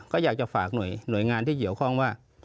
ก็อยากจะฝากหน่วยงานที่เกี่ยวข้องว่า